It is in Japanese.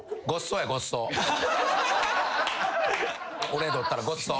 俺にとったらごちそう。